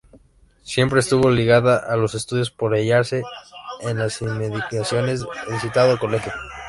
Siempre estuvo ligada a los estudios por hallarse en las inmediaciones el citado Colegio.